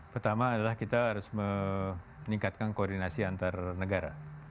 pertama adalah kita harus meningkatkan koordinasi antarnegara